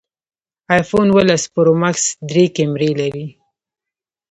ایفون اوولس پرو ماکس درې کمرې لري